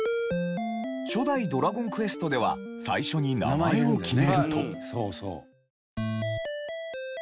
初代『ドラゴンクエスト』では最初に名前を決めると。